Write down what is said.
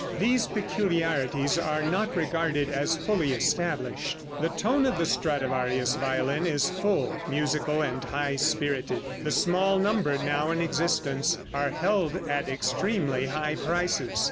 These peculiarities are not regarded as fully established. The tone of the Stradivarius violin is full, musical and high spirited. The small number now in existence are held at extremely high prices.